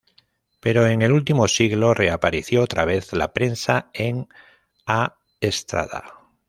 Pero en el último siglo reapareció otra vez la prensa en A Estrada.